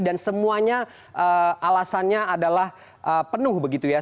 dan semuanya alasannya adalah penuh begitu ya